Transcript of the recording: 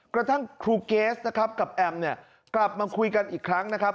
กระทั่งครูเกสนะครับกับแอมเนี่ยกลับมาคุยกันอีกครั้งนะครับ